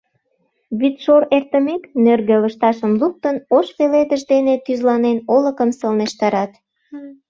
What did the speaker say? Вӱдшор эртымек, нӧргӧ лышташым луктын, ош пеледыш дене тӱзланен, олыкым сылнештарат.